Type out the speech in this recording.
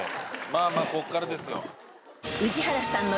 まあまあこっからですよ。